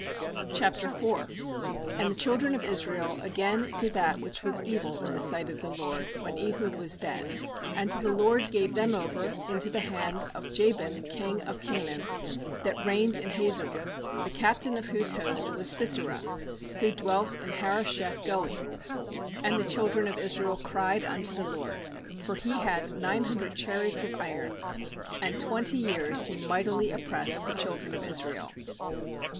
A And the children of Israel again 1 did that which was evil in the sight of the LORD, when Ehud was dead. 2And the LORD gave them over into the hand of Jabin king of Canaan, that reigned in Hazor; the captain of whose host was Sisera, who dwelt in Harosheth goiim. 3And the children of Israel cried unto the LORD; for he had nine hundred chariots of iron; and twenty years he mightily op pressed the children of Israel.